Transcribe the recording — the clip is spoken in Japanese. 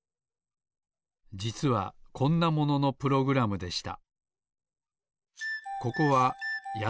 じつはこんなもののプログラムでした。